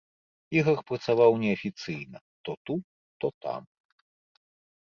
Ігар працаваў неафіцыйна, то тут, то там.